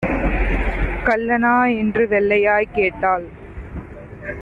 "கள்ளனா" என்று வெள்ளையாய்க் கேட்டாள்.